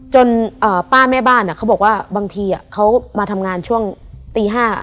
จนเอ่อป้าแม่บ้านอะเขาบอกว่าบางทีอะเขามาทำงานช่วงตีห้า